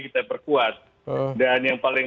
kita perkuat dan yang paling